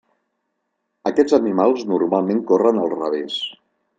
Aquests animals normalment corren al revés.